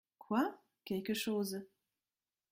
Quoi ? Quelque chose.